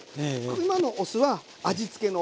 今のお酢は味付けのお酢。